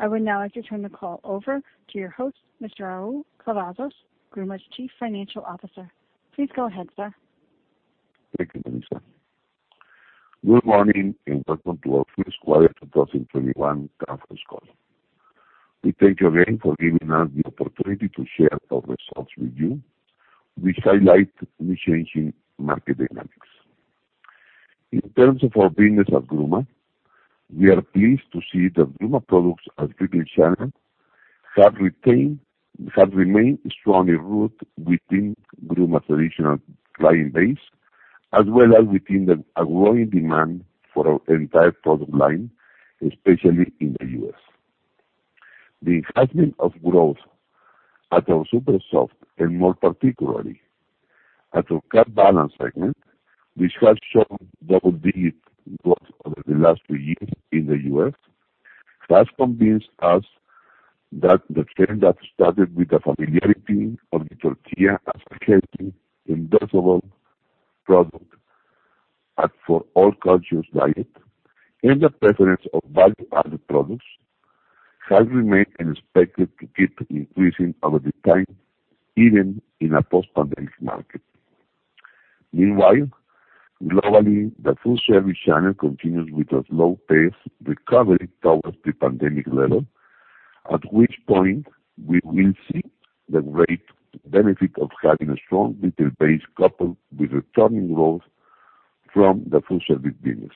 I would now like to turn the call over to your host, Mr. Raúl Cavazos Morales, Gruma's Chief Financial Officer. Please go ahead, sir. Thank you, Melissa. Good morning, welcome to our first quarter 2021 conference call. We thank you again for giving us the opportunity to share our results with you. We highlight the changing market dynamics. In terms of our business at Gruma, we are pleased to see that Gruma products at retail channel have remained strongly rooted within Gruma's traditional client base, as well as within a growing demand for our entire product line, especially in the U.S. The enhancement of growth at our Super Soft and more particularly at our Carb Balance segment, which has shown double digit growth over the last three years in the U.S., has convinced us that the trend that started with the familiarity of the tortilla as a healthy, indulgence product, as for all cultures diet and the preference of value-added products, has remained and expected to keep increasing over the time, even in a post-pandemic market. Meanwhile, globally, the food service channel continues with a slow paced recovery towards the pandemic level, at which point we will see the great benefit of having a strong retail base coupled with returning growth from the food service business,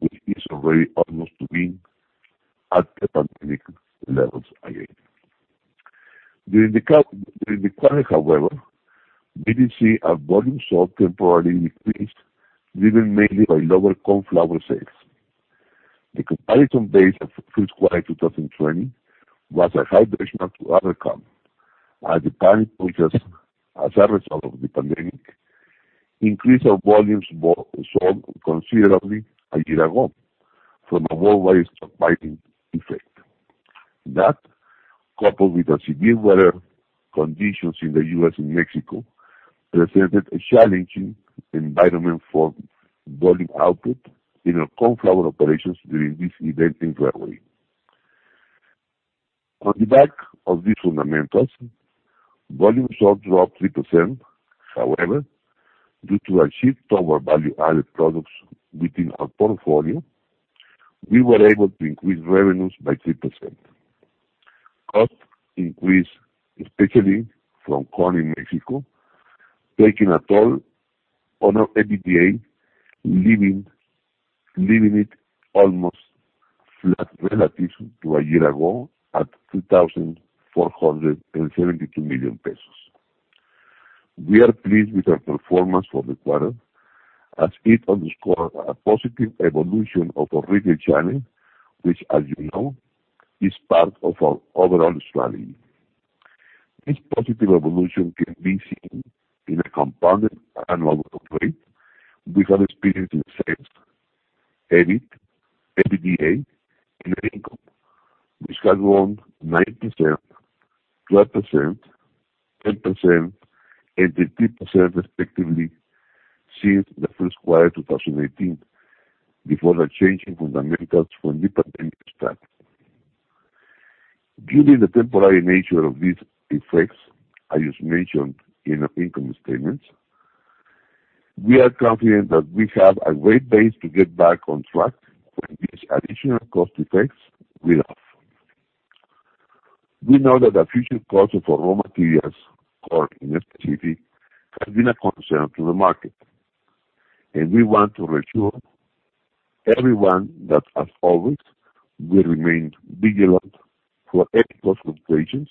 which is already almost being at the pandemic levels again. During the quarter, however, BDC, our volume sold temporarily decreased, driven mainly by lower corn flour sales. The comparison base of first quarter 2020 was a high benchmark to overcome as a result of the pandemic, increased our volumes sold considerably a year ago from a worldwide stockpiling effect. Coupled with the severe weather conditions in the U.S. and Mexico, presented a challenging environment for volume output in our corn flour operations during this event in February. On the back of these fundamentals, volume sold dropped 3%. Due to a shift toward value-added products within our portfolio, we were able to increase revenues by 3%. Cost increased, especially from corn in Mexico, taking a toll on our EBITDA, leaving it almost flat relative to a year ago at 2,472 million pesos. We are pleased with our performance for the quarter as it underscores a positive evolution of our retail channel, which, as you know, is part of our overall strategy. This positive evolution can be seen in a compounded annual growth rate, which have experienced in sales, EBIT, EBITDA, net income, which has grown 90%, 12%, 10%, and 13% respectively since the first quarter 2018, before the change in fundamentals when the pandemic started. Given the temporary nature of these effects I just mentioned in our income statements, we are confident that we have a great base to get back on track when these additional cost effects wear off. We know that the future cost of our raw materials, corn in specific, has been a concern to the market, and we want to reassure everyone that, as always, we remain vigilant for any cost fluctuations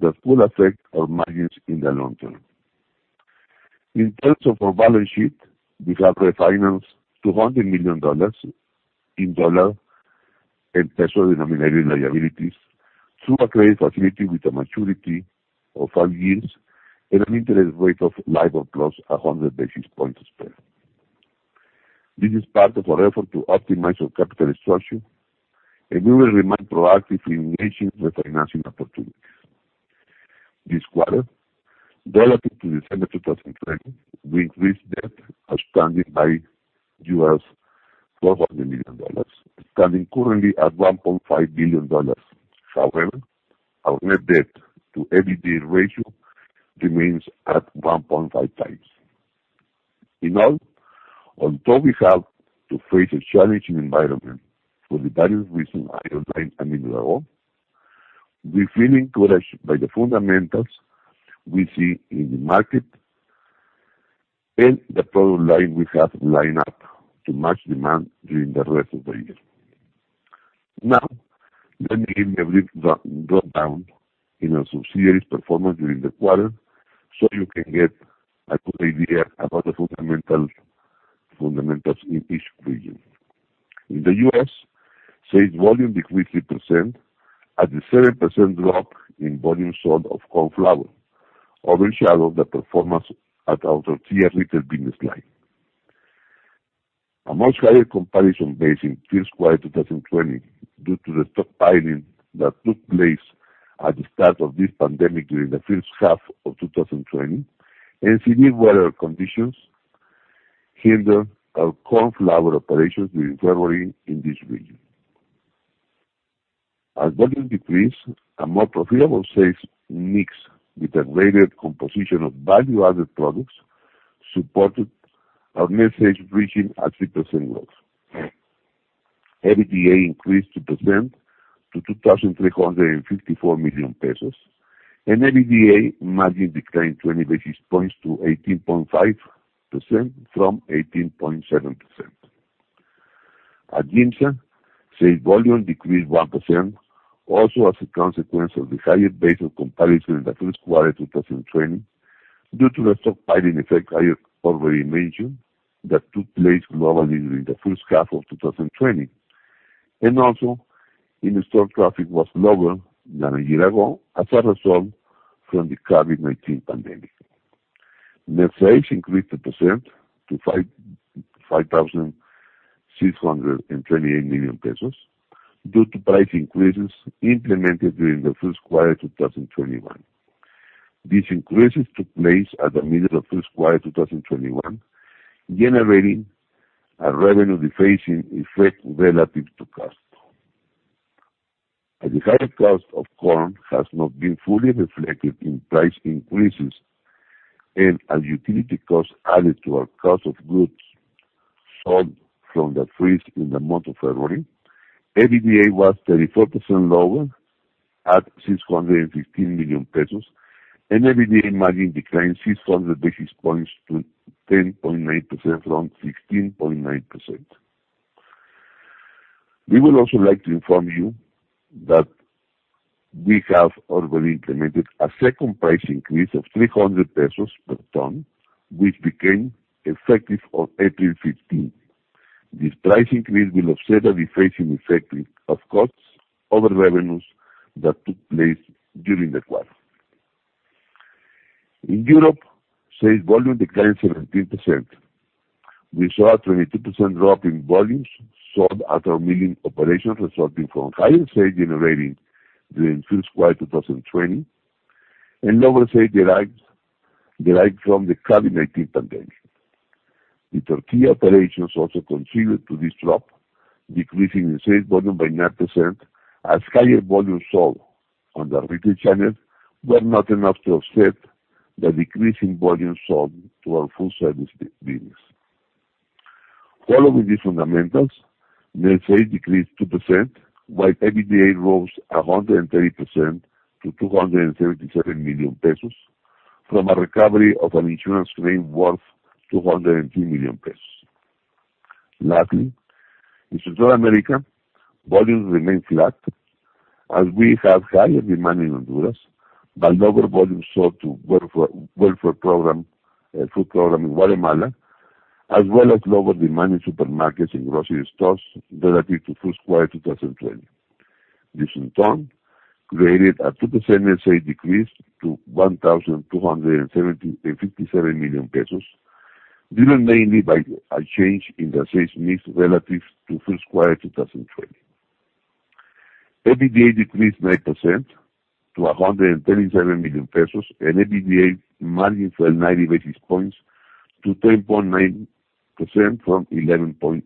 that will affect our margins in the long term. In terms of our balance sheet, we have refinanced $200 million in dollar and peso-denominated liabilities through a credit facility with a maturity of five years and an interest rate of LIBOR plus 100 basis points spread. This is part of our effort to optimize our capital structure. We will remain proactive in engaging refinancing opportunities. This quarter, relative to December 2020, we increased debt outstanding by US $400 million, standing currently at $1.5 billion. Our net debt to EBITDA ratio remains at 1.5x. Although we have to face a challenging environment for the various reasons I outlined a minute ago, we feel encouraged by the fundamentals we see in the market and the product line we have lined up to match demand during the rest of the year. Now, let me give you a brief rundown in our subsidiaries performance during the quarter so you can get a good idea about the fundamentals in each region. In the U.S., sales volume decreased 3% as the 7% drop in volume sold of corn flour overshadowed the performance at our tortilla retail business line. A much higher comparison base in first quarter 2020 due to the stockpiling that took place at the start of this pandemic during the first half of 2020 and severe weather conditions hindered our corn flour operations during February in this region. As volume decreased, a more profitable sales mix with a weighted composition of value-added products supported our net sales reaching a 3% growth. EBITDA increased 2% to 2,354 million pesos, and EBITDA margin declined 20 basis points to 18.5% from 18.7%. At GIMSA, sales volume decreased 1%, also as a consequence of the higher base of comparison in the first quarter of 2020 due to the stockpiling effect I already mentioned that took place globally during the first half of 2020, and also in-store traffic was lower than a year ago as a result from the COVID-19 pandemic. Net sales increased 2% to 5,628 million pesos due to price increases implemented during the first quarter of 2021. These increases took place at the middle of first quarter 2021, generating a revenue defacing effect relative to cost. As the higher cost of corn has not been fully reflected in price increases and as utility costs added to our cost of goods sold from the freeze in the month of February, EBITDA was 34% lower at 615 million pesos, and EBITDA margin declined 600 basis points to 10.9% from 16.9%. We would also like to inform you that we have already implemented a second price increase of 300 pesos per ton, which became effective on April 15th. This price increase will offset the deflating effect of costs over revenues that took place during the quarter. In Europe, sales volume declined 17%. We saw a 22% drop in volumes sold at our milling operations resulting from higher sales generated during first quarter 2020 and lower sales derived from the COVID-19 pandemic. The tortilla operations also contributed to this drop, decreasing the sales volume by 9% as higher volumes sold on the retail channel were not enough to offset the decrease in volume sold to our food service business. Following these fundamentals, net sales decreased 2%, while EBITDA rose 130% to 277 million pesos from a recovery of an insurance claim worth 202 million pesos. Lastly, in Central America, volumes remained flat as we have higher demand in Honduras, but lower volumes sold to welfare food program in Guatemala, as well as lower demand in supermarkets and grocery stores relative to first quarter 2020. This, in turn, created a 2% net sales decrease to 1,257 million pesos, driven mainly by a change in the sales mix relative to first quarter 2020. EBITDA decreased 9% to 137 million pesos and EBITDA margin fell 90 basis points to 10.9% from 11.8%.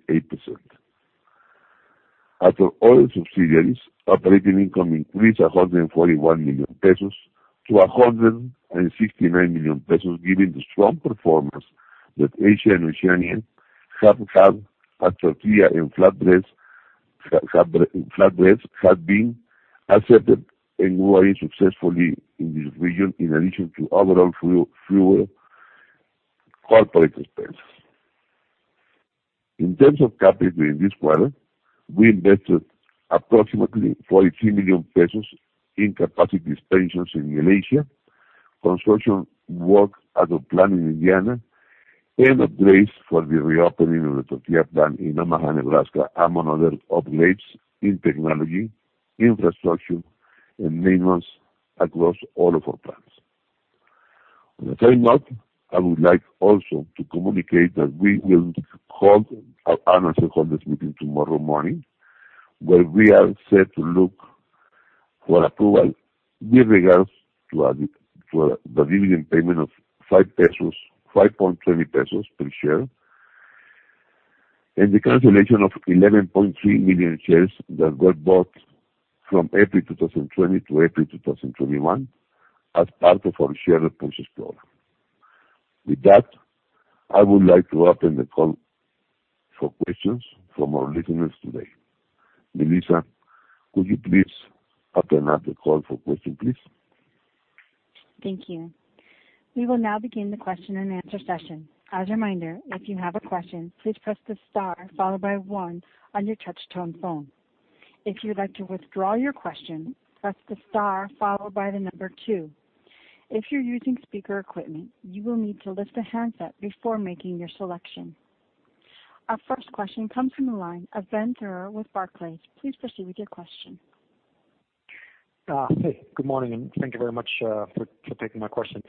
After other subsidiaries, operating income increased 141 million pesos to 169 million pesos, given the strong performance that Asia and Oceania have had as tortilla and flatbreads have been accepted and growing successfully in this region, in addition to overall fewer corporate expenses. In terms of capital in this quarter, we invested approximately 43 million pesos in capacity expansions in Malaysia, construction work at our plant in Indiana, and upgrades for the reopening of the tortilla plant in Omaha, Nebraska, among other upgrades in technology, infrastructure, and maintenance across all of our plants. On that note, I would like also to communicate that we will hold our analyst holders meeting tomorrow morning, where we are set to look for approval with regards to the dividend payment of 5.20 pesos per share and the cancellation of 11.3 million shares that got bought from April 2020 to April 2021 as part of our share repurchase program. With that, I would like to open the call for questions from our listeners today. Melissa, could you please open up the call for question, please? Thank you. We will now begin the question and answer session. As a reminder, if you have a question, please press the star followed by one on your touch tone phone. If you'd like to withdraw your question, press the star followed by the number two. If you're using speaker equipment, you will need to lift the handset before making your selection. Our first question comes from the line of Ben Theurer with Barclays. Please proceed with your question. Good morning, thank you very much for taking my question.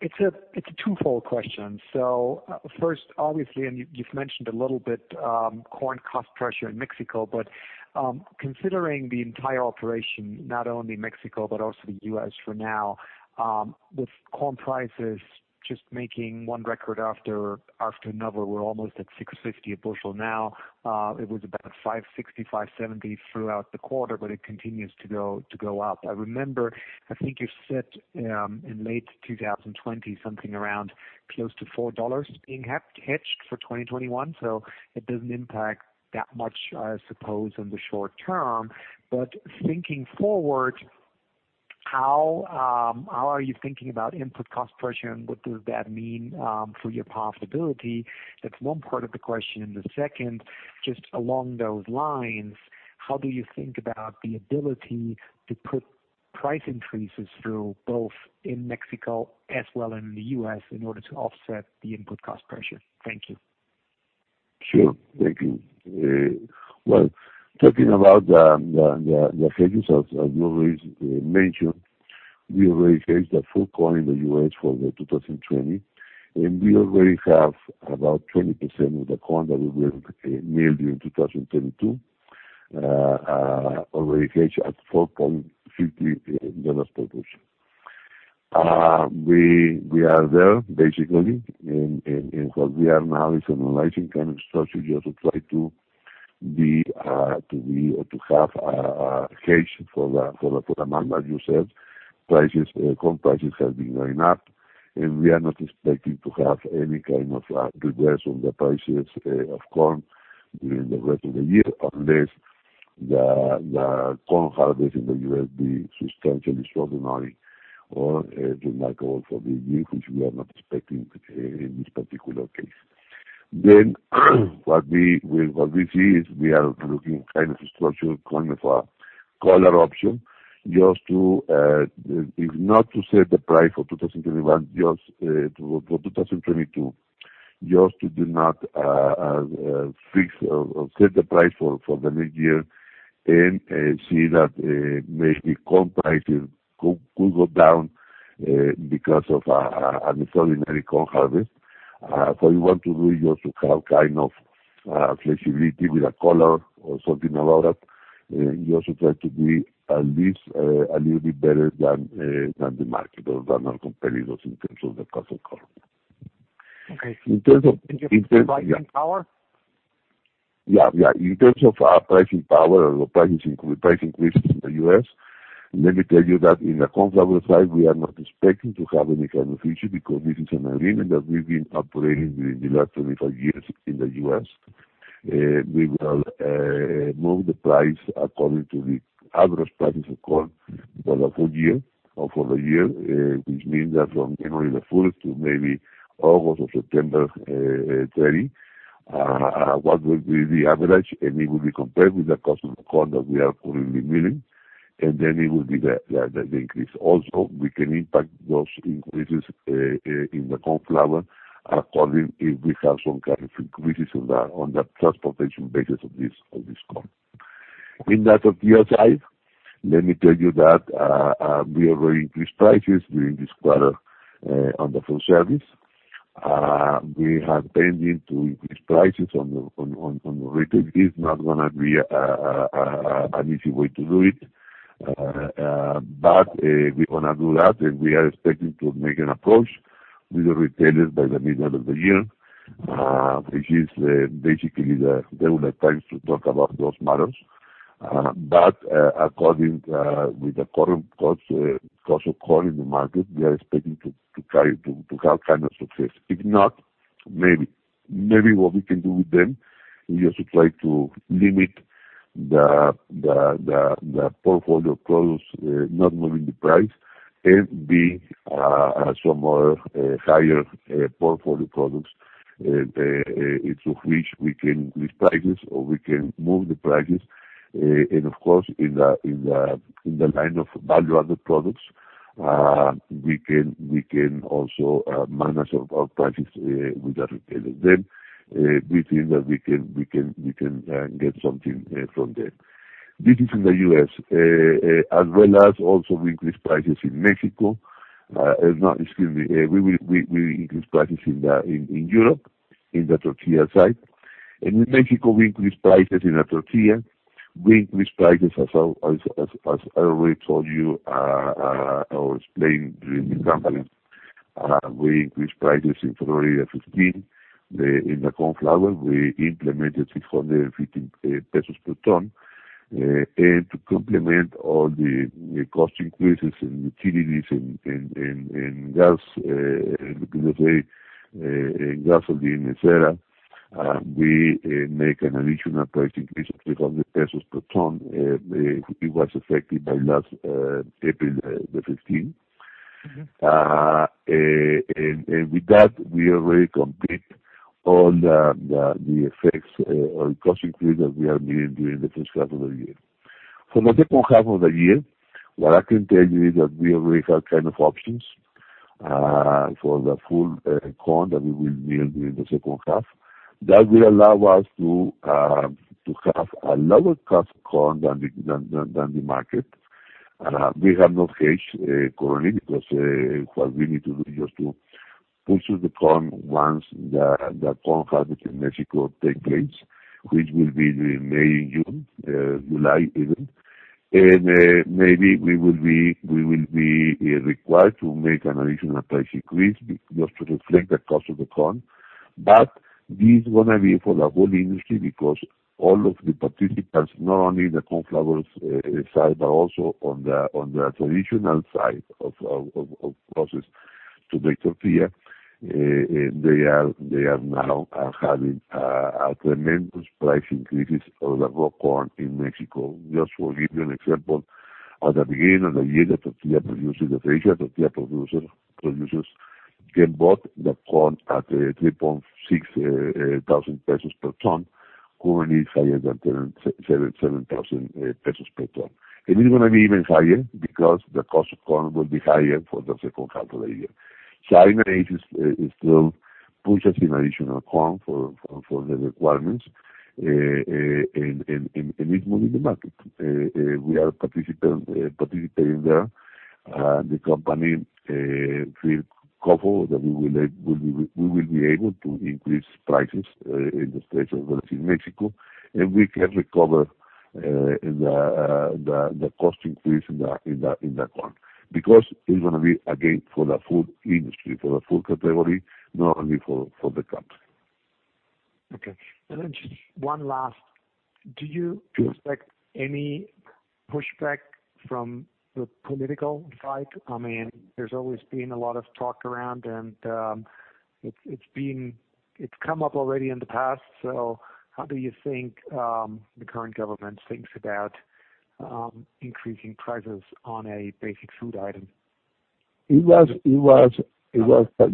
It's a twofold question. First, obviously, you've mentioned a little bit, corn cost pressure in Mexico, but considering the entire operation, not only Mexico but also the U.S. for now, with corn prices just making one record after another, we're almost at $6.50 a bushel now. It was about $5.65, $5.70 throughout the quarter, it continues to go up. I remember, I think you've said in late 2020, something around close to $4 being hedged for 2021, it doesn't impact that much, I suppose, in the short term. Thinking forward, how are you thinking about input cost pressure, what does that mean for your profitability? That's one part of the question. The second, just along those lines, how do you think about the ability to put price increases through, both in Mexico as well in the U.S., in order to offset the input cost pressure? Thank you. Sure. Thank you. Well, talking about the hedges, as you already mentioned, we already hedged the full corn in the U.S. for 2020, and we already have about 20% of the corn that we will mill during 2022 already hedged at MXN 4.50 per bushel. We are there basically, and what we are now is analyzing kind of structure just to try to have a hedge for the amount that you said. Corn prices have been going up, and we are not expecting to have any kind of regress on the prices of corn during the rest of the year, unless the corn harvest in the U.S. be substantially extraordinary or remarkable for this year, which we are not expecting in this particular case. What we see is we are looking kind of structure, kind of a collar option. It's not to set the price for 2021, just for 2022, just to do not fix or set the price for the next year and see that maybe corn prices could go down because of an extraordinary corn harvest. We want to really just to have kind of flexibility with a collar or something about that, just to try to be at least a little bit better than the market or than our competitors in terms of the cost of corn. Okay. In terms of. In terms of pricing power? Yeah. In terms of our pricing power or price increases in the U.S., let me tell you that in the corn flour side, we are not expecting to have any kind of issue, because this is an agreement that we've been operating during the last 25 years in the U.S. We will move the price according to the average prices of corn for the full year or for the year, which means that from January the first to maybe August or September 30, what will be the average, and it will be compared with the cost of the corn that we are currently milling, and then it will be the increase. We can impact those increases in the corn flour according if we have some kind of increases on the transportation basis of this corn. In that tortilla side, let me tell you that we already increased prices during this quarter on the full service. We have pending to increase prices on the retail. It's not going to be an easy way to do it, but we're going to do that, and we are expecting to make an approach with the retailers by the middle of the year, which is basically their time to talk about those matters. According with the current cost of corn in the market, we are expecting to have kind of success. If not, maybe what we can do with them is just to try to limit the portfolio of products not moving the price and be some more higher portfolio products, and so which we can increase prices or we can move the prices. Of course, in the line of value-added products, we can also manage our prices with the retailers. We think that we can get something from them. This is in the U.S., as well as also we increase prices in Mexico. No, excuse me, we increase prices in Europe, in the tortilla side. In Mexico, we increase prices in the tortilla. We increase prices, as I already told you or explained during the earnings, we increased prices in February the 15th. In the corn flour, we implemented 650 pesos per ton, and to complement all the cost increases in utilities, in gas, in gasoline, et cetera, we make an additional price increase of 300 pesos per ton. It was effective by last April the 15th. With that, we already complete all the effects or cost increase that we are meeting during the first half of the year. For the second half of the year, what I can tell you is that we already have kind of options for the full corn that we will need during the second half. That will allow us to have a lower cost corn than the market. We have not hedged currently, because what we need to do is to push through the corn once the corn harvest in Mexico takes place, which will be in May, June, July even. Maybe we will be required to make an additional price increase just to reflect the cost of the corn. This is going to be for the whole industry because all of the participants, not only the corn flour side, but also on the traditional side of processed to make tortilla, they are now having tremendous price increases on the raw corn in Mexico. Just to give you an example, at the beginning of the year, the tortilla producers in GIMSA bought the corn at 3,600 pesos per ton. Currently, it's higher than 7,000 per ton. It's going to be even higher, because the cost of corn will be higher for the second half of the year. Gruma is still pushing additional corn for the requirements, and it's moving the market. We are participating there. The company feels comfortable that we will be able to increase prices in the states of Mexico, and we can recover the cost increase in the corn. It's going to be, again, for the food industry, for the food category, not only for the company. Okay. Then just one last. Do you expect any pushback from the political side? There's always been a lot of talk around, and it's come up already in the past. How do you think the current government thinks about increasing prices on a basic food item? It was Yeah. It was at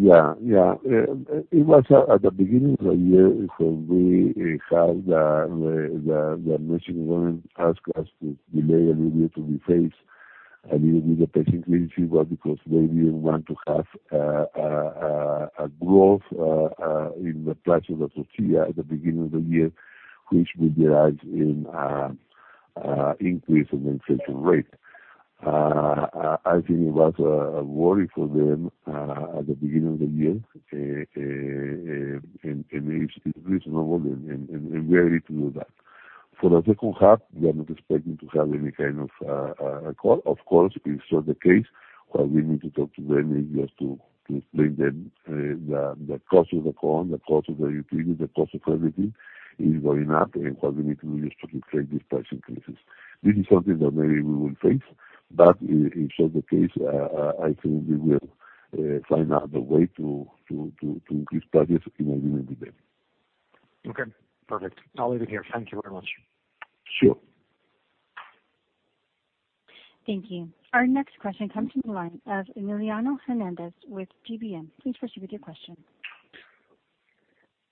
the beginning of the year when we had the Mexican government ask us to delay a little bit to be phased, and even with the price increase, it was because they didn't want to have a growth in the price of the tortilla at the beginning of the year, which would derive in an increase in the inflation rate. I think it was a worry for them at the beginning of the year, and it's reasonable, and we are ready to do that. For the second half, we are not expecting to have any kind of call. Of course, if so the case, what we need to talk to them is just to explain the cost of the corn, the cost of the utility, the cost of everything is going up, and what we need to do is to reflect these price increases. This is something that maybe we will face, but if so the case, I think we will find out the way to increase prices in agreement with them. Okay, perfect. I'll leave it here. Thank you very much. Sure. Thank you. Our next question comes from the line of Emiliano Hernández with GBM. Please proceed with your question.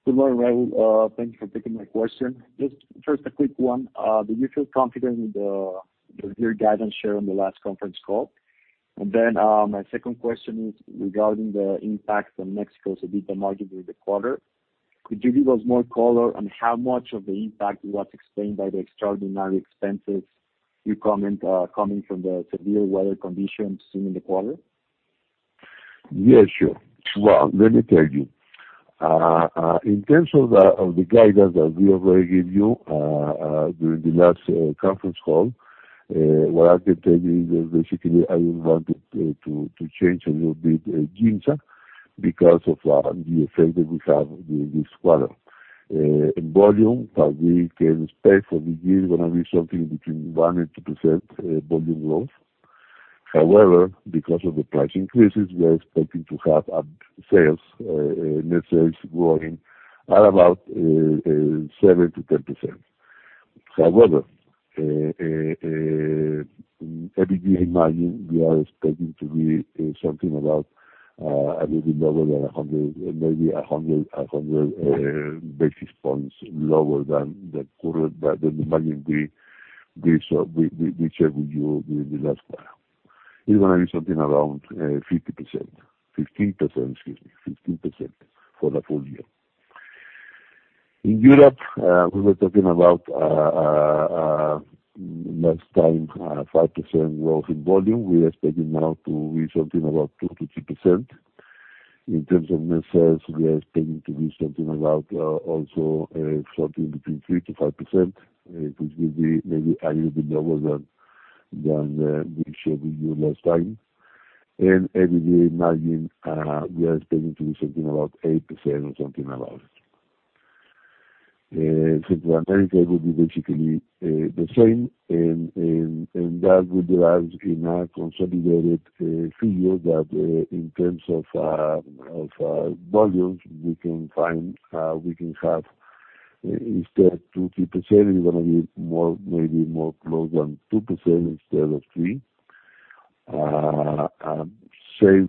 Good morning, Raúl. Thank you for taking my question. Just first a quick one. Do you feel confident with your guidance share on the last conference call? Then my second question is regarding the impact on Mexico's EBITDA margin during the quarter. Could you give us more color on how much of the impact was explained by the extraordinary expenses you comment are coming from the severe weather conditions seen in the quarter? Yes, sure. Well, let me tell you. In terms of the guidance that we already gave you during the last conference call, what I can tell you is that basically, I would want to change a little bit GIMSA because of the effect that we have during this quarter. In volume, what we can expect for the year is going to be something between 1% and 2% volume growth. Because of the price increases, we are expecting to have net sales growing at about 7%-10%. EBITDA margin, we are expecting to be something about a little bit lower than 100, maybe 100 basis points lower than the current margin we shared with you during the last call. It's going to be something around 50%, 15%, excuse me, 15% for the full year. In Europe, we were talking about last time, 5% growth in volume. We are expecting now to be something about 2%-3%. In terms of net sales, we are expecting to be something about also something between 3%-5%, which will be maybe a little bit lower than we shared with you last time. EBITDA margin, we are expecting to be something about 8% or something around. Central America will be basically the same, and that would derive in a consolidated figure that in terms of volumes, we can have instead 2%, 3%, it's going to be maybe more close than 2% instead of three. Sales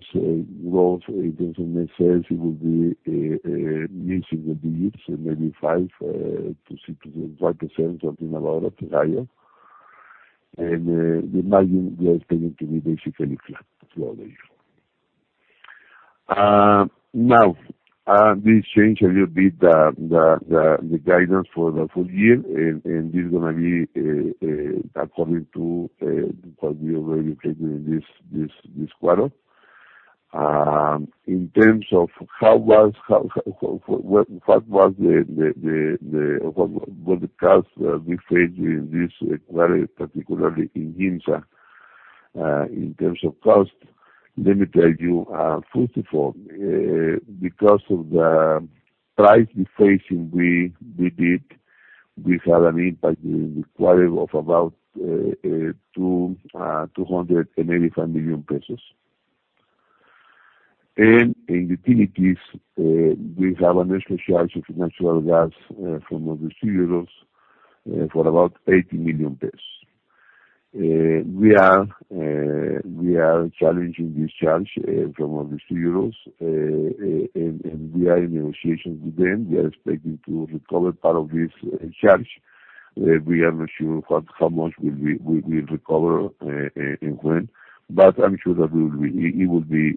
growth in terms of net sales, it will be using the mid, so maybe 5%-6%, 5% something about it, higher. The margin, we are expecting to be basically flat throughout the year. This changed a little bit, the guidance for the full year, and this is going to be according to what we already explained in this quarter. In terms of what was the cost we faced in this quarter, particularly in GIMSA, in terms of cost, let me tell you, first of all, because of the price deflating we did, we had an impact in the quarter of about 285 million pesos. In utilities, we have an extra charge of natural gas from our distributors for about 80 million pesos. We are challenging this charge from our distributors, and we are in negotiations with them. We are expecting to recover part of this charge. We are not sure how much we'll recover, and when, but I'm sure that it will be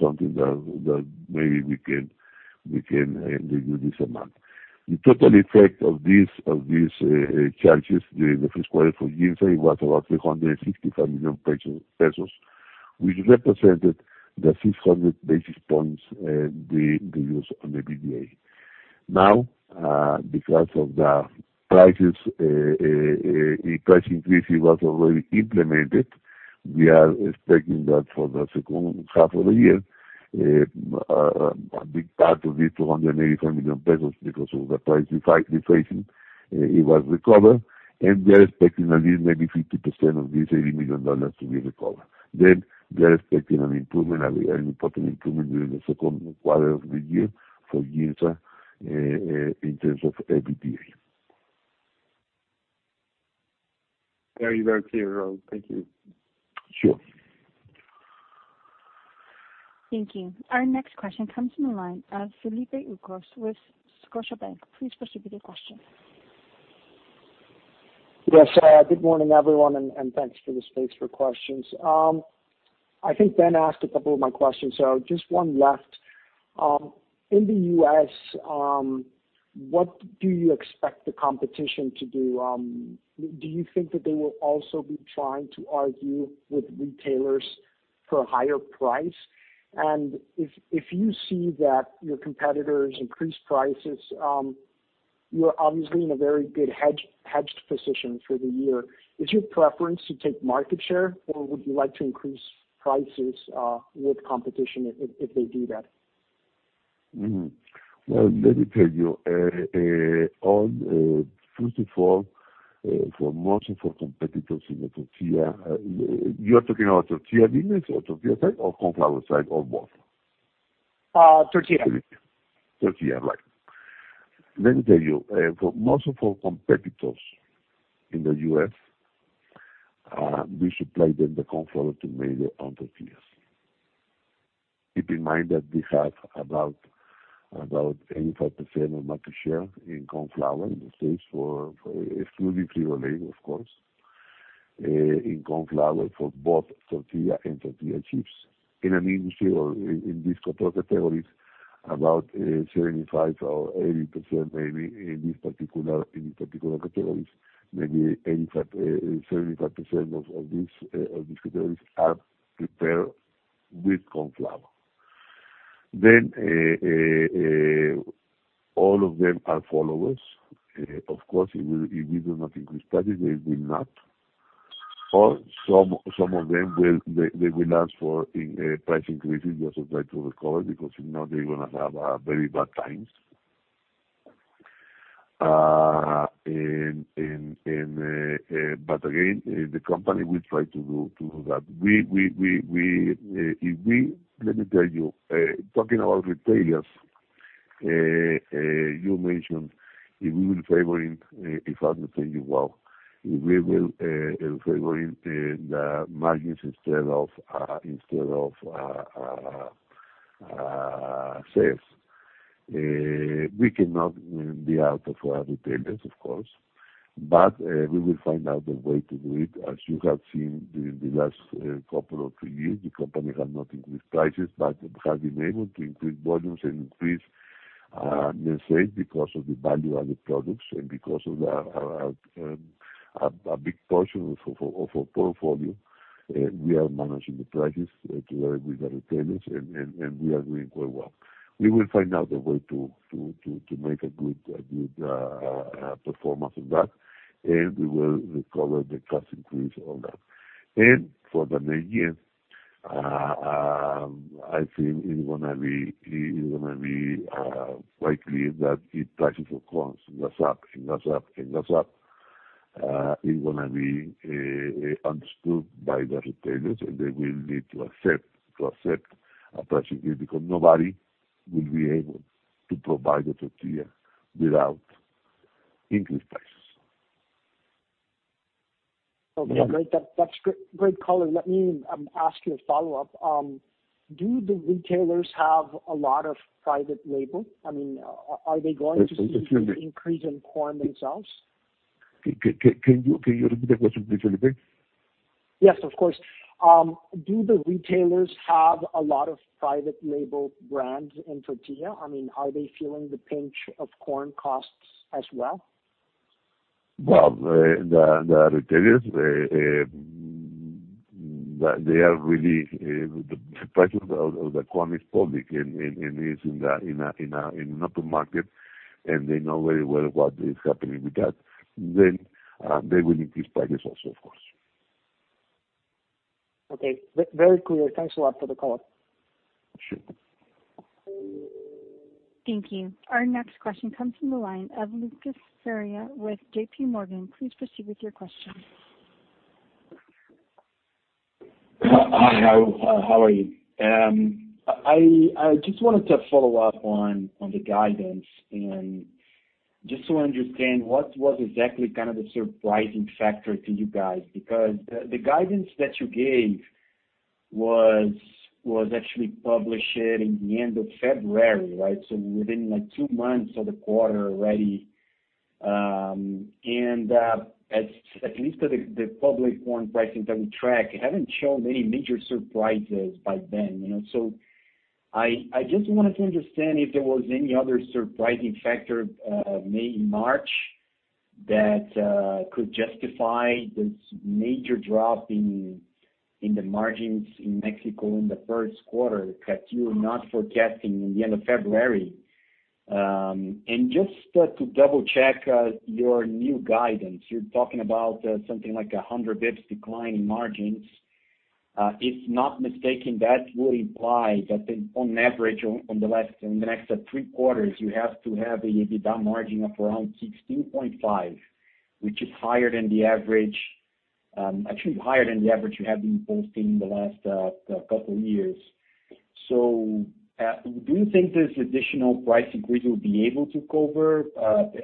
something that maybe we can reduce this amount. The total effect of these charges in the first quarter for GIMSA was about 365 million pesos, which represented the 600 basis points decrease on the EBITDA. Because of the price increase already implemented, we are expecting that for the second half of the year, a big part of the 285 million pesos because of the price deflating was recovered, and we are expecting at least maybe 50% of this MXN 80 million to be recovered. We are expecting an important improvement during the second quarter of the year for GIMSA in terms of EBITDA. Very, very clear, Raúl. Thank you. Sure. Thank you. Our next question comes from the line of Felipe Ucros with Scotiabank. Please proceed with your question. Yes. Good morning, everyone, and thanks for the space for questions. I think Ben asked a couple of my questions. Just one left. In the U.S., what do you expect the competition to do? Do you think that they will also be trying to argue with retailers for a higher price? If you see that your competitors increase prices, you're obviously in a very good hedged position for the year. Is your preference to take market share, or would you like to increase prices with competition if they do that? Well, let me tell you. First of all, for most of our competitors in the tortilla-- You're talking about tortilla business or tortilla side or corn flour side or both? Tortilla. Tortilla, right. Let me tell you, for most of our competitors in the U.S., we supply them the corn flour to make our tortillas. Keep in mind that we have about 85% of market share in corn flour in the U.S. for exclusively Gruma, of course, in corn flour for both tortilla and tortilla chips. In an industry or in these categories, about 75% or 80%, maybe in these particular categories, maybe 75% of these categories are prepared with corn flour. All of them are followers. Of course, if we do not increase prices, they will not. Some of them, they will ask for a price increase also try to recover, because if not, they're going to have very bad times. Again, the company will try to do that. Let me tell you, talking about retailers, you mentioned if we will favor. If I will tell you, well, if we will favor in the margins instead of sales. We cannot be out of our retailers, of course, we will find out a way to do it. As you have seen during the last couple of years, the company has not increased prices, it has been able to increase volumes and increase net sales because of the value-added products and because of a big portion of our portfolio. We are managing the prices together with the retailers, we are doing quite well. We will find out a way to make a good performance on that, we will recover the cost increase on that. For the next year, I think it's going to be quite clear that if prices of corn go up, it goes up. It's going to be understood by the retailers, and they will need to accept a price increase because nobody will be able to provide the tortilla without increased prices. Okay, great. That's great color. Let me ask you a follow-up. Do the retailers have a lot of private label? Are they going to see an increase in corn themselves? Can you repeat the question, please, Felipe Ucros? Yes, of course. Do the retailers have a lot of private label brands in tortilla? Are they feeling the pinch of corn costs as well? Well, the retailers, the price of the corn is public, and is in an open market, and they know very well what is happening with that. They will increase prices also, of course. Okay. Very clear. Thanks a lot for the call. Sure. Thank you. Our next question comes from the line of Lucas Ferreira with JPMorgan. Please proceed with your question. Hi, Raúl. How are you? I just wanted to follow up on the guidance and just to understand what was exactly the surprising factor to you guys, because the guidance that you gave was actually published at the end of February, right? Within two months of the quarter already. At least the public corn pricing that we track hadn't shown any major surprises by then. I just wanted to understand if there was any other surprising factor made in March that could justify this major drop in the margins in Mexico in the first quarter that you were not forecasting at the end of February. Just to double-check your new guidance, you're talking about something like 100 basis points decline in margins. If I'm not mistaken, that will imply that on average, in the next three quarters, you have to have the EBITDA margin of around 16.5, which is actually higher than the average you have been posting in the last couple of years. Do you think this additional price increase will be able to cover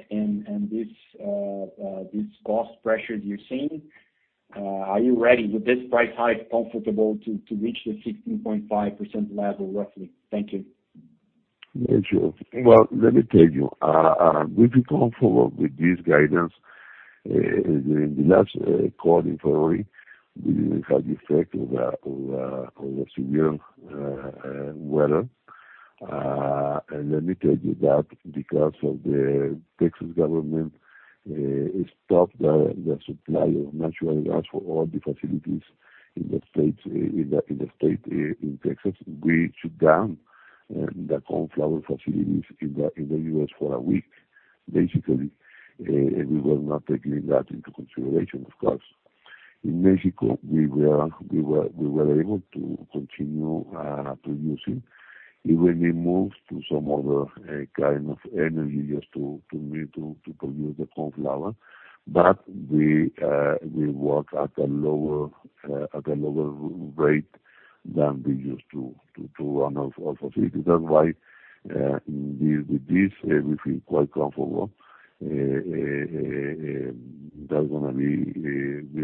and these cost pressures you're seeing? Are you ready with this price hike comfortable to reach the 16.5% level roughly? Thank you. Sure. Well, let me tell you. We feel comfortable with this guidance. In the last call in February, we had the effect of the severe weather. Let me tell you that because of the Texas government stopped the supply of natural gas for all the facilities in the state in Texas, we shut down the corn flour facilities in the U.S. for a week, basically, and we were not taking that into consideration, of course. In Mexico, we were able to continue producing, even if moved to some other kind of energy just to produce the corn flour, but we work at a lower rate than we used to run our facility. That's why with this, we feel quite comfortable. We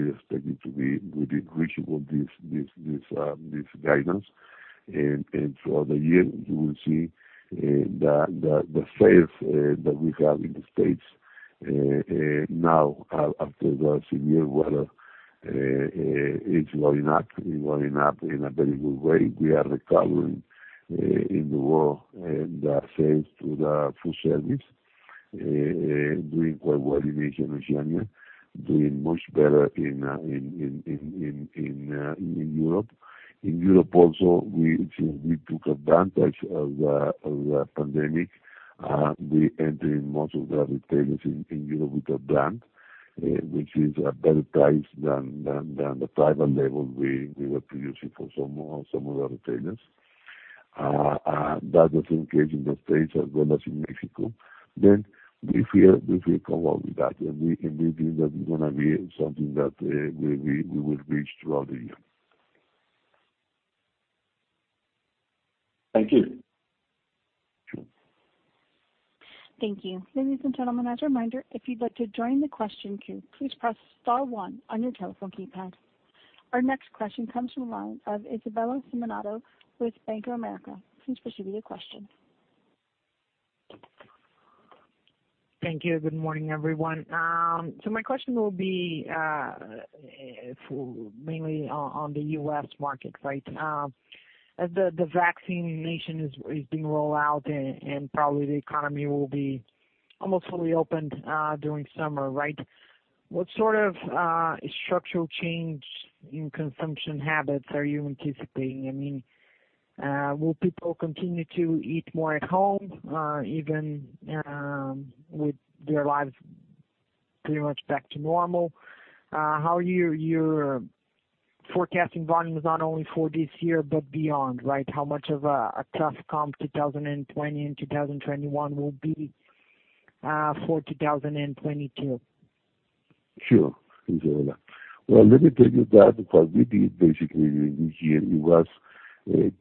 expect it to be within reachable, this guidance. Throughout the year, you will see the sales that we have in the U.S. now after the severe weather, it's going up in a very good way. We are recovering in the world the sales to the food service, doing quite well in Asia and Oceania, doing much better in Europe. In Europe also, we took advantage of the pandemic. We entered in most of the retailers in Europe with a brand, which is a better price than the private label we were producing for some of the retailers. That's the same case in the U.S. as well as in Mexico. We feel comfortable with that, and we think that it's going to be something that we will reach throughout the year. Thank you. Sure. Thank you. Ladies and gentlemen, as a reminder, if you'd like to join the question queue, please press star one on your telephone keypad. Our next question comes from the line of Isabella Simonato with Bank of America. Please proceed with your question. Thank you. Good morning, everyone. My question will be mainly on the U.S. market, right? As the vaccination is being rolled out and probably the economy will be almost fully opened during summer, right? What sort of structural change in consumption habits are you anticipating? Will people continue to eat more at home, even with their lives pretty much back to normal? How are you forecasting volumes not only for this year but beyond, right? How much of a tough comp 2020 and 2021 will be for 2022? Sure, Isabella. Well, let me tell you that what we did basically during this year, it was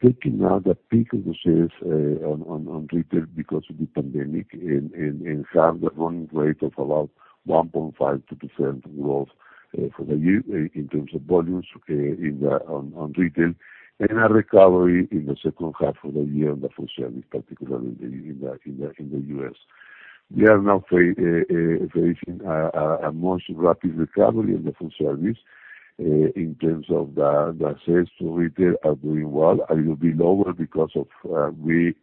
taking out the peak of the sales on retail because of the pandemic and have a running rate of about 1.5%-2% growth for the year in terms of volumes on retail and a recovery in the second half of the year in the food service, particularly in the U.S. We are now facing a much rapid recovery in the food service in terms of the sales to retail are doing well, a little bit lower because we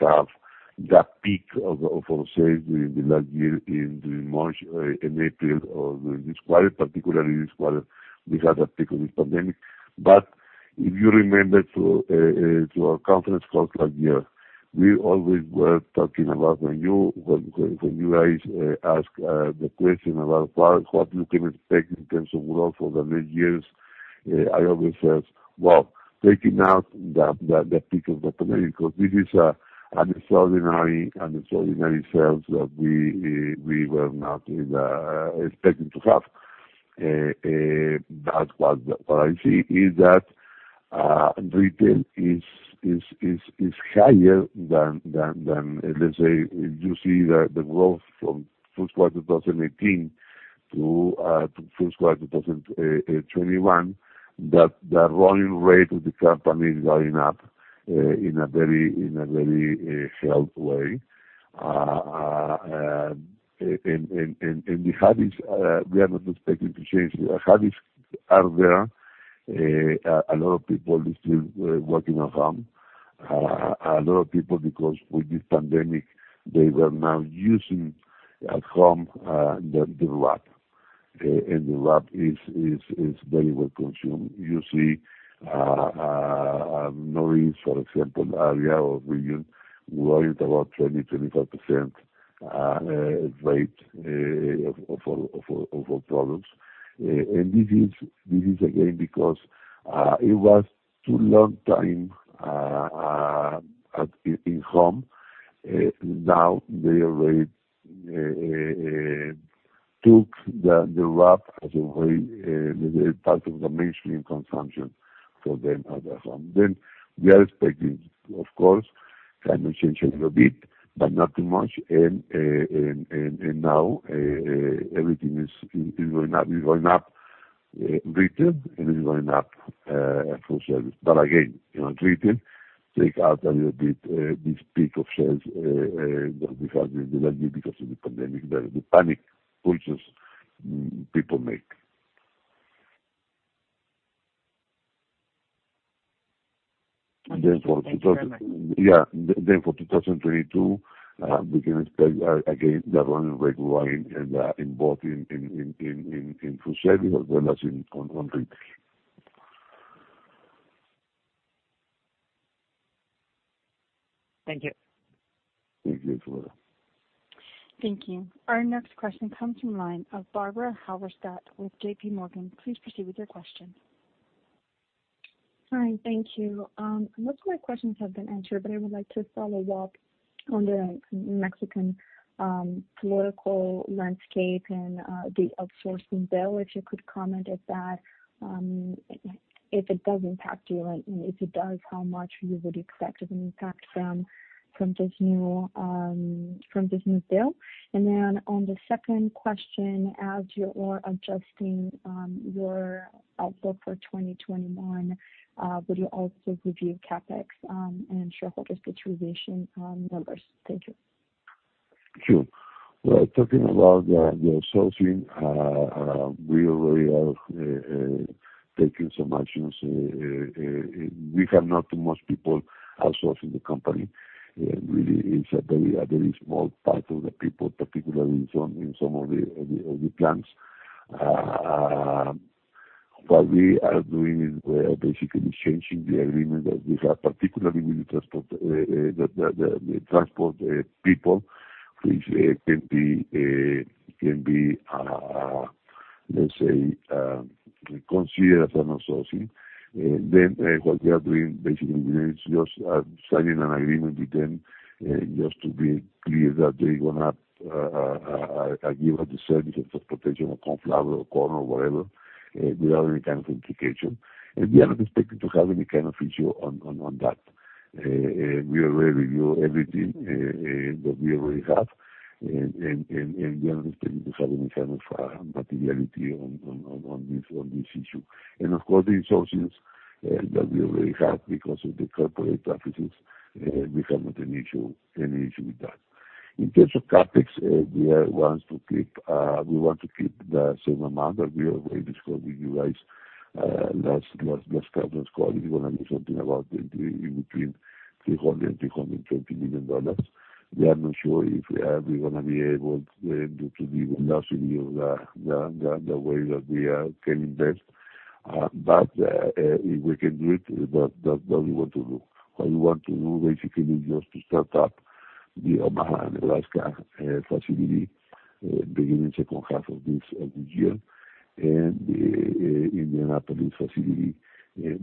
have that peak of our sales during the last year in March and April of this quarter, particularly this quarter, we had a peak of this pandemic. If you remember to our conference call last year, I always were talking about when you guys ask the question about what you can expect in terms of growth for the next years, I always says, well, taking out the peak of the pandemic, because this is an extraordinary sales that we were not expecting to have. What I see is that retail is higher than, let's say, you see the growth from first quarter 2018 to first quarter 2021, that the running rate of the company is going up in a very health way. The habits, we are not expecting to change. The habits are there. A lot of people is still working at home. A lot of people, because with this pandemic, they were now using at home the wrap. The wrap is very well consumed. You see Norit, for example, area or region, growing about 20%, 25% rate of our products. This is again, because it was too long time in home. Now they already took the wrap as a very part of the mainstream consumption for them at the home. We are expecting, of course, kind of change a little bit, but not too much, and now everything is going up retail, and it's going up food service. Again, in retail, take out a little bit this peak of sales that we had in the last year because of the pandemic, the panic purchase people make. Okay. Thanks very much. Yeah. For 2022, we can expect again, the running rate growing in both in food service as well as in retail. Thank you. Thank you, Flora. Thank you. Our next question comes from line of Barbara Halberstadt with JPMorgan. Please proceed with your question. Hi, thank you. Most of my questions have been answered, but I would like to follow up on the Mexican political landscape and the outsourcing bill, if you could comment if it does impact you, and if it does, how much you would expect as an impact from this new bill. On the second question, as you are adjusting your outlook for 2021, would you also review CapEx and shareholder distribution numbers? Thank you. Sure. Well, talking about the outsourcing, we already have taken some actions. We have not too much people outsourcing the company. Really it's a very small part of the people, particularly in some of the other plants. What we are doing is basically changing the agreement that we have, particularly with the transport people, which can be, let's say, considered as an outsourcing. What we are doing basically is just signing an agreement with them, just to be clear that they going to give us the service of transportation of corn flour or corn or whatever, without any kind of implication. We are not expecting to have any kind of issue on that. We already review everything that we already have, and we are not expecting to have any kind of materiality on this issue. Of course, the outsourcings that we already have because of the corporate offices, we have not any issue with that. In terms of CapEx, we want to keep the same amount that we already discussed with you guys last conference call. It's going to be something about between $300 million and $320 million. We are not sure if we are going to be able due to the volatility of the way that we can invest. If we can do it, that's what we want to do. What we want to do basically is just to start up the Omaha, Nebraska facility beginning second half of this year, and the Indianapolis facility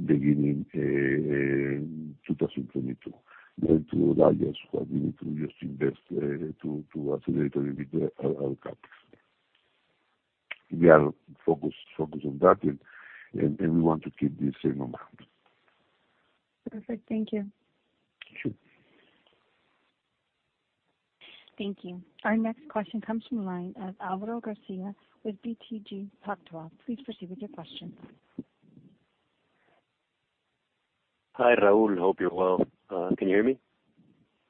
beginning 2022. To adjust what we need to just invest to accelerate a little bit our CapEx. We are focused on that, and we want to keep the same amount. Perfect. Thank you. Sure. Thank you. Our next question comes from line of Alvaro Garcia with BTG Pactual. Please proceed with your question. Hi, Raúl. Hope you're well. Can you hear me?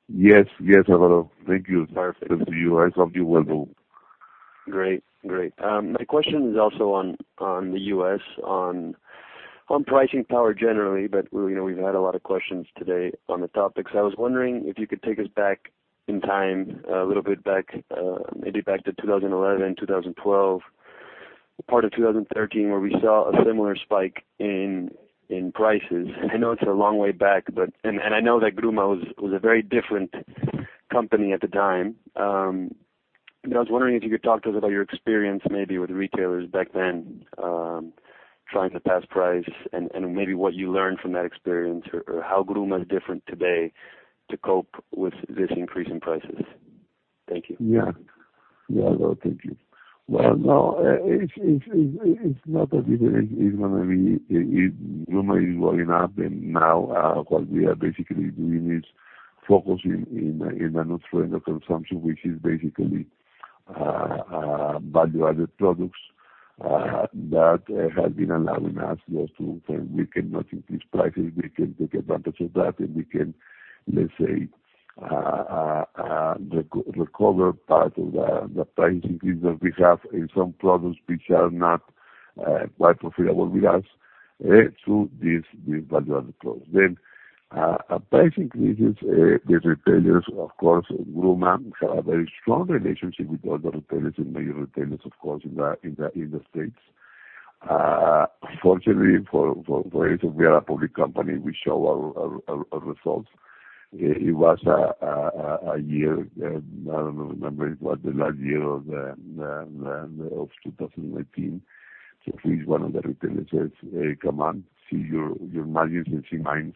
Yes, Alvaro. Thank you. Perfect. Thanks to you. I hope you're well, too. Great. My question is also on the U.S., on pricing power generally, but we've had a lot of questions today on the topic. I was wondering if you could take us back in time, a little bit back, maybe back to 2011, 2012, part of 2013, where we saw a similar spike in prices. I know it's a long way back, and I know that Gruma was a very different company at the time. I was wondering if you could talk to us about your experience, maybe with retailers back then, trying to pass price and maybe what you learned from that experience, or how Gruma is different today to cope with this increase in prices. Thank you. Yeah. Yeah. Thank you. Well, now it's not as if it's going to be-- Gruma is growing up and now what we are basically doing is focusing in the new trend of consumption, which is basically value-added products. That has been allowing us just to, when we cannot increase prices, we can take advantage of that and we can, let's say, recover part of the price increases we have in some products which are not quite profitable with us through these value-added products. Price increases, the retailers, of course, Gruma, we have a very strong relationship with all the retailers and major retailers, of course, in the U.S. Fortunately for us, we are a public company, we show our results. It was a year, I don't remember, it was the last year of 2019. At least one of the retailers says, "Hey, come on, see your margins and see mine.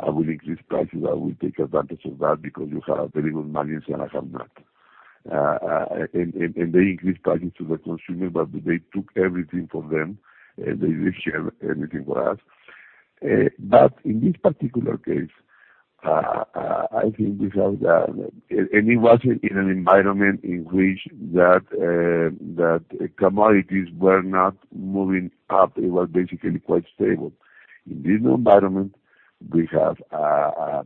I will increase prices. I will take advantage of that because you have very good margins, and I have not." They increased prices to the consumer, but they took everything from them, and they didn't share anything with us. In this particular case, it wasn't in an environment in which commodities were not moving up. It was basically quite stable. In this new environment, we have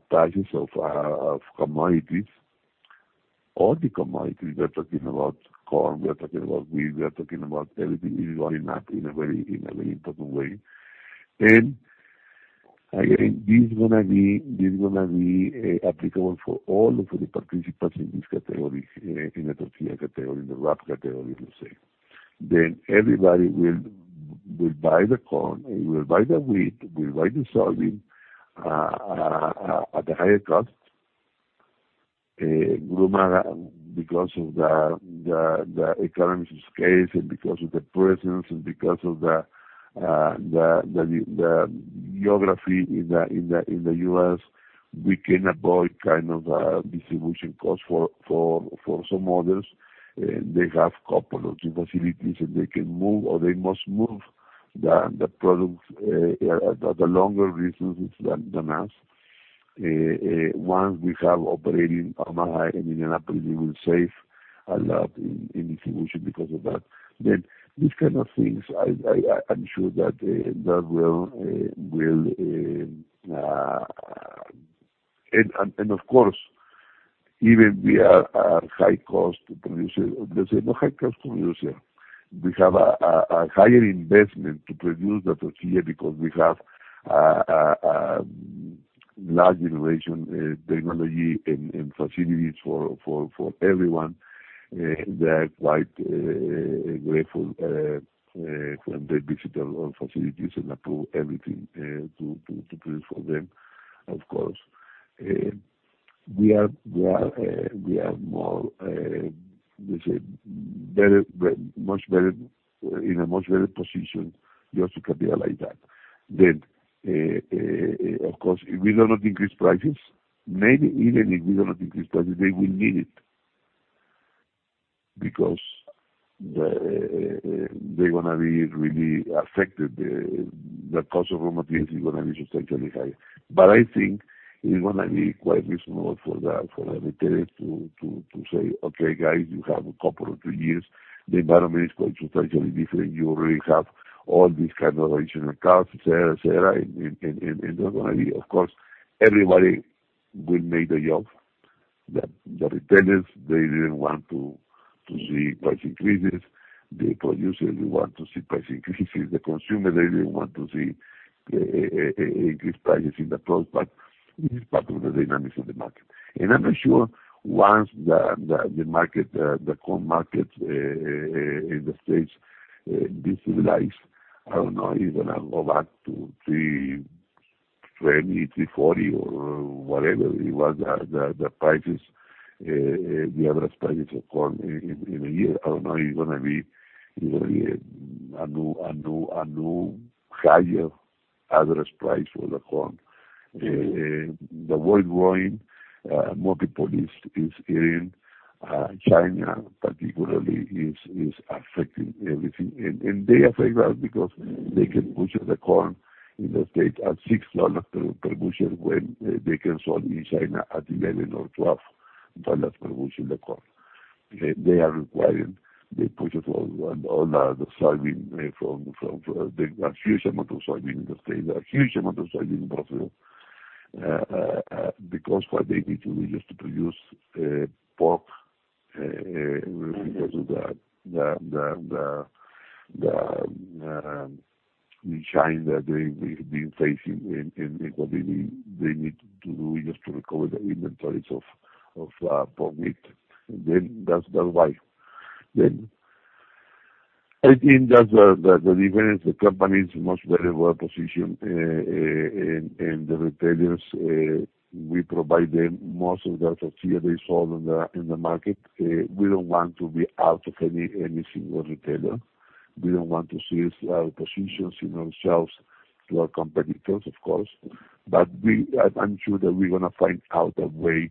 prices of commodities, all the commodities, we are talking about corn, we are talking about wheat, we are talking about everything, is going up in a very important way. Again, this is going to be applicable for all of the participants in this category, in the tortilla category, in the wrap category, let's say. Everybody will buy the corn, will buy the wheat, will buy the soybean at a higher cost. Gruma, because of the economies of scale and because of the presence and because of the geography in the U.S., we can avoid distribution costs. For some others, they have a couple of facilities, and they can move or they must move the products at longer distances than us. Once we have operating Omaha and Indianapolis, we will save a lot in distribution because of that. These kind of things, I'm sure that. Of course, even we are a high-cost producer, let's say no high-cost producer. We have a higher investment to produce the tortilla because we have large generation technology and facilities for everyone. They are quite grateful when they visit our facilities and approve everything to produce for them, of course. We are in a much better position just because they are like that. Of course, if we do not increase prices, maybe even if we do not increase prices, they will need it because they're going to be really affected. The cost of raw materials is going to be substantially higher. I think it's going to be quite reasonable for the retailers to say, "Okay, guys, you have a couple or two years. The environment is quite substantially different. You already have all these kind of additional costs," et cetera. They're going to be, of course, everybody will make the jump. The retailers, they didn't want to see price increases. The producers didn't want to see price increases. The consumer, they didn't want to see increased prices in the products. This is part of the dynamics of the market. I'm not sure once the corn market in the States destabilizes, I don't know, it's going to go back to $3.20, $3.40 or whatever it was, the average price of corn in a year. I don't know, it's going to be a new higher average price for the corn. The world growing, more people is eating. China particularly is affecting everything. They affect us because they can purchase the corn in the States at $6 per bushel when they can sell in China at $11 or $12 per bushel of corn. They are requiring. They push it all. All the soybean. They got huge amount of soybean in the States, a huge amount of soybean in Brazil. Because what they need to do just to produce pork, because of the shine that they've been facing and what they need to do just to recover their inventories of pork meat. That's why. I think that's the difference. The company is much very well positioned, and the retailers, we provide them most of the tortilla they sold in the market. We don't want to be out of any single retailer. We don't want to cede our positions in ourselves to our competitors, of course. I'm sure that we're going to find out a way to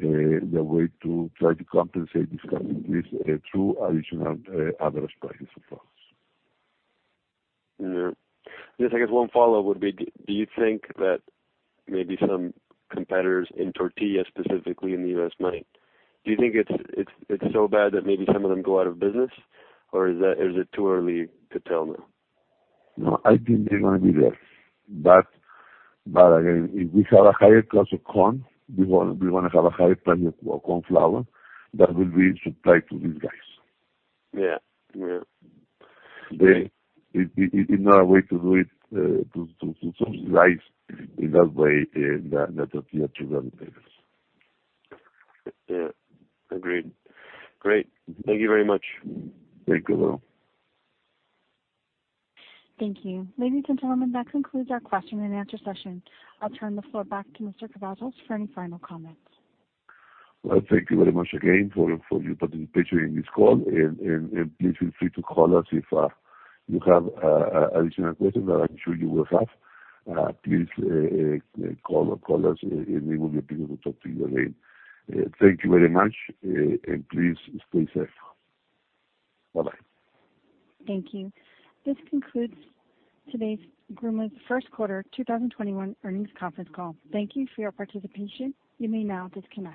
try to compensate this through additional average prices, of course. Yeah. Just I guess one follow-up would be, do you think it's so bad that maybe some competitors in tortilla, specifically in the U.S., go out of business? Is it too early to tell now? No, I think they're going to be there. Again, if we have a higher cost of corn, we're going to have a higher price of corn flour that will be supplied to these guys. Yeah. There is no other way to do it, to subsidize in that way the tortilla to retailers. Yeah. Agreed. Great. Thank you very much. Thank you. Thank you. Ladies and gentlemen, that concludes our question and answer session. I'll turn the floor back to Mr. Cavazos for any final comments. Thank you very much again for your participation in this call. Please feel free to call us if you have additional questions that I'm sure you will have. Please call us. It will be a pleasure to talk to you again. Thank you very much. Please stay safe. Bye-bye. Thank you. This concludes today's Gruma's first quarter 2021 earnings conference call. Thank you for your participation. You may now disconnect.